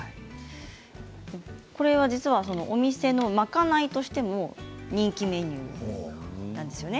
これは実はお店の賄いとしても人気メニューなんですよね。